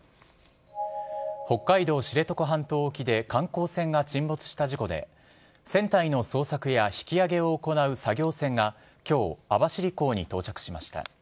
北海道知床半島沖で観光船が沈没した事故で、船体の捜索や引き揚げを行う作業船が、きょう、網走港に到着しました。